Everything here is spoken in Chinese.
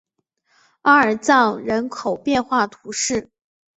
阿尔藏人口变化图示